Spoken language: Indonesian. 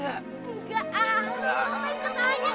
enggak harus selesai